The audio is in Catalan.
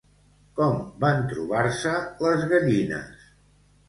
Com van trobar-se les gallines?